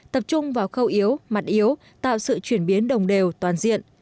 tập trung vào khâu yếu mặt yếu tạo sự chuyển biến đồng đều toàn diện